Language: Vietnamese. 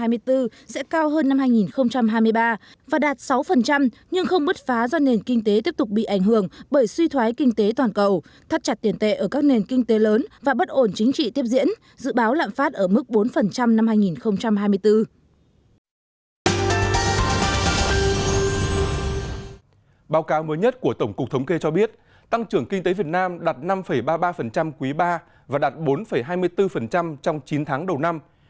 mục thống kê cho biết tăng trưởng kinh tế việt nam đạt năm ba mươi ba quý ba và đạt bốn hai mươi bốn trong chín tháng đầu năm